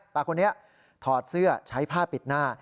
ตาคนนี้ถอดเสื้อใช้ผ้าปิดหน้า